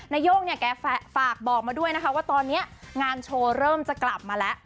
นายกเนี่ยแกฝากบอกมาด้วยนะคะว่าตอนนี้งานโชว์เริ่มจะกลับมาแล้ว